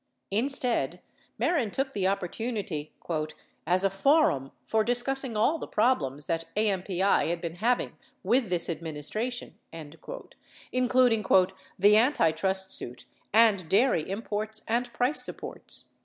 Instead, Mehren took the opportunity "as a forum for discussing all the problems ... that AMPI had been having with this administration," including "the antitrust suit and dairy imports and price supports."